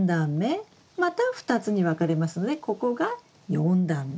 また２つに分かれますのでここが４段目。